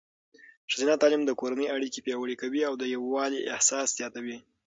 ښځینه تعلیم د کورنۍ اړیکې پیاوړې کوي او د یووالي احساس زیاتوي.